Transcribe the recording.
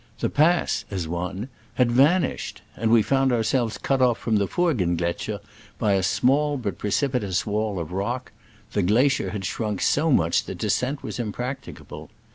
The pass, as one, had vanished ! and we found ourselves cut off from the Furggengletscher by a small but precipitous wall of rock : the glacier had shrunk so much that descent was impracticable.